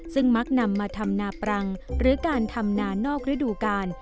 ซึ่งมักนำมาทำนาปรังหรือการทำนานอกระดูกาล